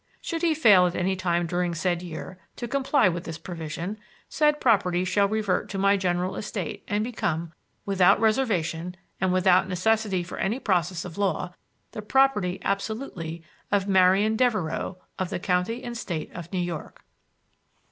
Should he fail at any time during said year to comply with this provision, said property shall revert to my general estate and become, without reservation, and without necessity for any process of law, the property, absolutely, of Marian Devereux, of the County and State of New York.